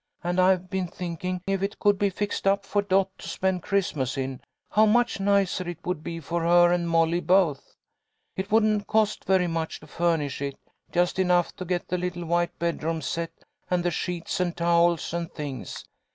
And I've been thinking if it could be fixed up for Dot to spend Christmas in, how much nicer it would be for her and Molly both. It wouldn't cost very much to furnish it, just enough to get the little white bedroom set and the sheets and towels and things.